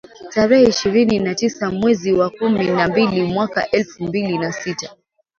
tarehe ishirini na tisa mwezi wa kumi na mbili mwaka elfu mbili na sita